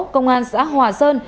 công an xã hòa sơn